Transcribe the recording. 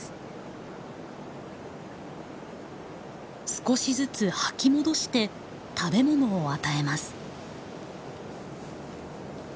少しずつ吐き戻して食べ物を与えます。